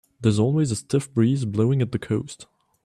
There's always a stiff breeze blowing at the coast.